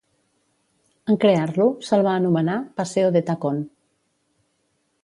En crear-lo, se'l va anomenar Paseo de Tacón.